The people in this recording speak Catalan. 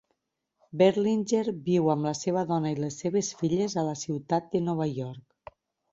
Berlinger viu amb la seva dona i les seves filles a la ciutat de Nova York.